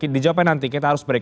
dijawabkan nanti kita harus break